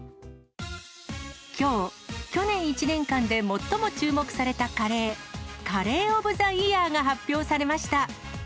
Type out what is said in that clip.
きょう、去年一年間で最も注目されたカレー、カレー・オブ・ザ・イヤーが発表されました。